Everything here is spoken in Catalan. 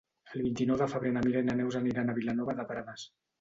El vint-i-nou de febrer na Mira i na Neus aniran a Vilanova de Prades.